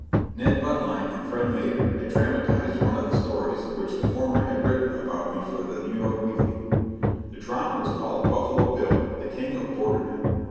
Ned Buntline and Fred Maeder had dramatized one of the stories which the former had written about me for the New York Weekly. The drama was called "Buffalo Bill, the King of Border Men."